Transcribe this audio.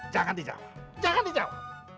jangan dijawab jangan dijawab